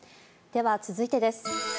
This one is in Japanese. では、続いてです。